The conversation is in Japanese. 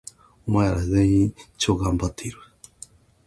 お前ら、全員、超がんばっている！！！